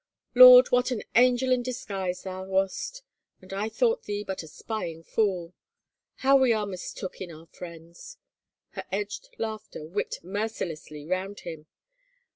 Lord, what an angel in disguise thoU wast, and I thought thee but a spying fool! How we are mistook in our friends 1 " Her edged laughter whipped mercilessly round him.